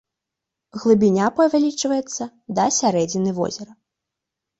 Глыбіня павялічваецца да сярэдзіны возера.